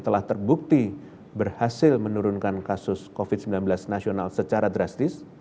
telah terbukti berhasil menurunkan kasus covid sembilan belas nasional secara drastis